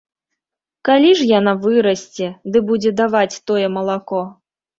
Калі ж яна вырасце ды будзе даваць тое малако!